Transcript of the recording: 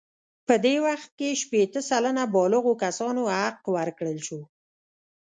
په دې وخت کې شپیته سلنه بالغو کسانو حق ورکړل شو.